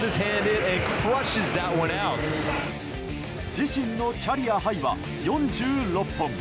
自身のキャリアハイは４６本。